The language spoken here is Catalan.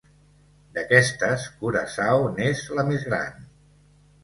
D'aquestes, Curaçao n'és la més gran.